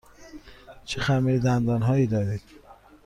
چه خمیردندان هایی دارید؟